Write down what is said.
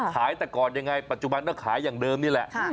ขายแต่ก่อนยังไงปัจจุบันก็ขายอย่างเดิมนี่แหละ